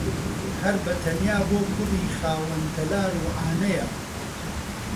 هەر بەتەنیا بۆ کوڕی خاوەن تەلار و عانەیە